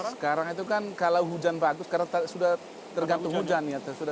sekarang itu kan kalau hujan bagus karena sudah tergantung hujan ya